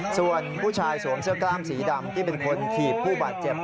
ส่วนผู้ชายสวมเสื้อกล้ามสีดำที่เป็นคนถีบผู้บาดเจ็บ